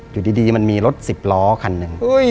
อยู่ดีมันมีรถสิบล้อคันหนึ่ง